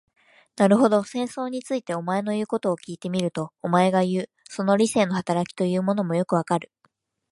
なるほど、戦争について、お前の言うことを聞いてみると、お前がいう、その理性の働きというものもよくわかる。